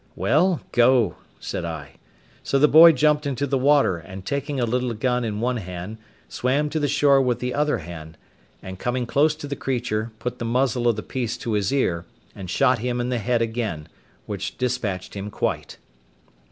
"Well, go," said I: so the boy jumped into the water and taking a little gun in one hand, swam to shore with the other hand, and coming close to the creature, put the muzzle of the piece to his ear, and shot him in the head again, which despatched him quite.